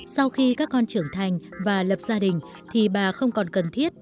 sau khi các con trưởng thành và lập gia đình thì bà không còn cần thiết